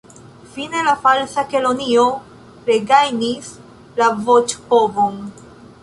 Fine la Falsa Kelonio regajnis la voĉpovon.